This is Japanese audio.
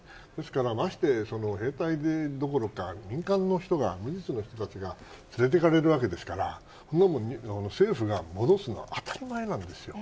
ましてや兵隊どころか民間の人が無実の人たちが連れて行かれるわけですから政府が戻すのは当たり前なんです。